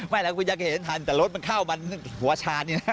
ไม่แล้วคุณยายก็เห็นทันแต่รถมันเข้ามันขวาชานอยู่แล้ว